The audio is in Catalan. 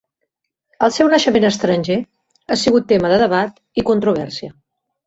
El seu naixement estranger ha sigut tema de debat i controvèrsia.